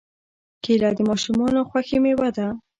کېله د ماشومانو خوښې مېوه ده.